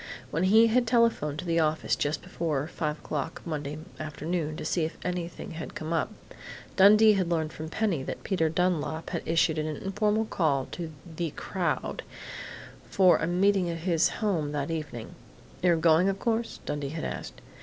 When he had telephoned to the office just before five o'clock Monday afternoon to see if anything had come up, Dundee had learned from Penny that Peter Dunlap had issued an informal call to "the crowd" for a meeting at his home that evening. "You're going, of course?" Dundee had asked.